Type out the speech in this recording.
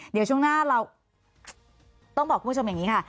เดี๋ยวช่วงหน้าเราต้องบอกคุณผู้ชมอย่างนี้ค่ะ